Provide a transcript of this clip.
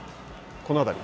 この辺り。